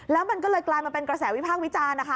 แล้วมันก็เลยกลายมาเป็นกระแสวิพากษ์วิจารณ์นะคะ